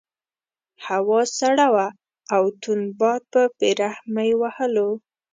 هوا سړه وه او تند باد په بې رحمۍ وهلو.